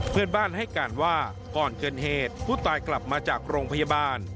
เพื่อนบ้านให้การว่าก่อนเกิดเหตุผู้ตายกลับมาจากโรงพยาบาล